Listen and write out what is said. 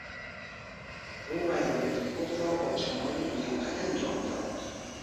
او وظایف خود را با کمال لیاقت انجام داد.